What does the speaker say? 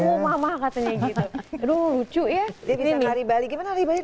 dia bisa lari balik gimana lari balik